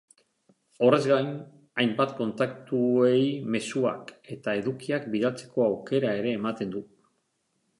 Horrez gain, hainbat kontaktuei mezuak eta edukiak bidaltzeko aukera ere ematen du.